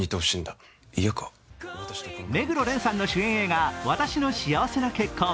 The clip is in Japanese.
目黒蓮さんの主演映画「わたしの幸せな結婚」。